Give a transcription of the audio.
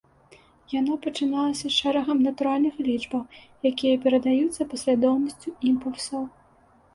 Яно пачыналася шэрагам натуральных лічбаў, якія перадаюцца паслядоўнасцю імпульсаў.